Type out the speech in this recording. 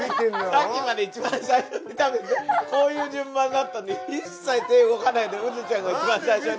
さっきまで一番最初に食べてこういう順番だったのに一切手動かないでウドちゃんが一番最初に。